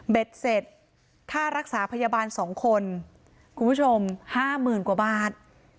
เสร็จค่ารักษาพยาบาล๒คนคุณผู้ชมห้าหมื่นกว่าบาท